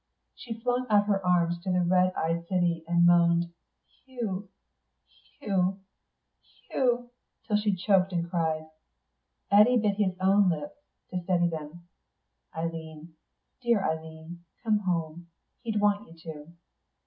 She flung out her arms to the red eyed city, and moaned, "Hugh, Hugh, Hugh," till she choked and cried. Eddy bit his own lips to steady them. "Eileen dear Eileen come home. He'd want you to."